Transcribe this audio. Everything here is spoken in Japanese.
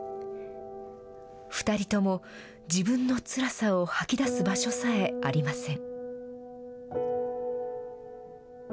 ２人とも、自分のつらさを吐き出す場所さえありません。